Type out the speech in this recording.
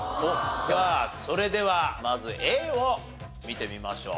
さあそれではまずＡを見てみましょう。